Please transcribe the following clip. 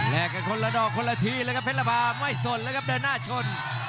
กันคนละดอกคนละทีเลยครับเพชรบาไม่สนแล้วครับเดินหน้าชน